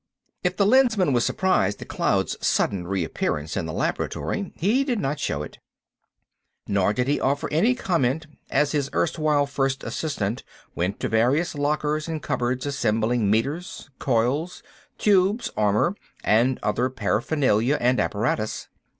If the Lensman was surprised at Cloud's sudden reappearance in the laboratory he did not show it. Nor did he offer any comment as his erstwhile first assistant went to various lockers and cupboards, assembling meters, coils, tubes, armor, and other paraphernalia and apparatus.